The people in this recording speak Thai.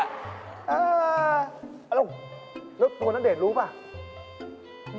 อ้าเอาล่ะแล้วตัวณเดชน์รู้ไหม